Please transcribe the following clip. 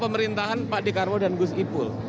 pemerintahan pak dekarwo dan gus ipul